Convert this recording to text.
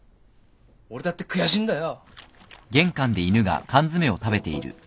俺だって悔しいんだよ。